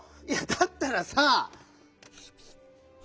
いやだったらさ。